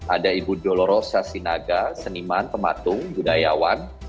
ada ibu doloro syasinaga seniman pematung budayawan